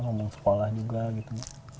ngomong sekolah juga gitu